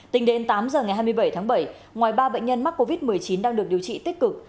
tính đến tám giờ ngày hai mươi bảy tháng bảy ngoài ba bệnh nhân mắc covid một mươi chín đang được điều trị tích cực